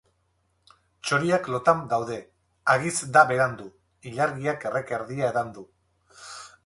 Txoriak lotan daude, hagitz da berandu, ilargiak erreka erdia edan du.